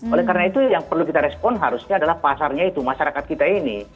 oleh karena itu yang perlu kita respon harusnya adalah pasarnya itu masyarakat kita ini